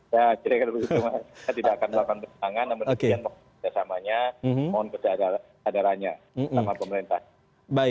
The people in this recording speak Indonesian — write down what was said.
ya tidak akan ada penilangan namun kemudian mau bersama sama mohon keadaan adarannya sama pemerintah